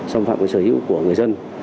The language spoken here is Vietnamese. xâm phạm với sở hữu của người dân